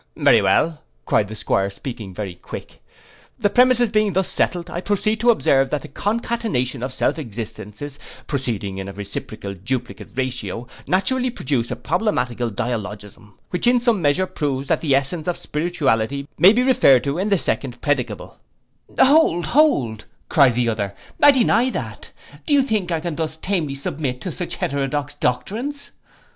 —'Very well,' cried the 'Squire, speaking very quick, 'the premises being thus settled, I proceed to observe, that the concatenation of self existences, proceeding in a reciprocal duplicate ratio, naturally produce a problematical dialogism, which in some measure proves that the essence of spirituality may be referred to the second predicable'—'Hold, hold,' cried the other, 'I deny that: Do you think I can thus tamely submit to such heterodox doctrines?